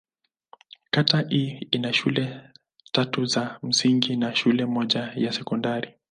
Kata hii ina shule tatu za msingi na shule moja ya sekondari.